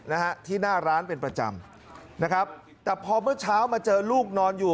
นะฮะที่หน้าร้านเป็นประจำนะครับแต่พอเมื่อเช้ามาเจอลูกนอนอยู่